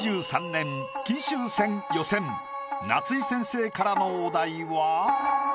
夏井先生からのお題は。